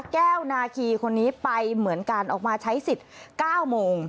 นาคีคนนี้ไปเหมือนกันออกมาใช้สิทธิ์๙โมง